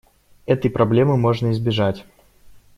Этой проблемы можно избежать.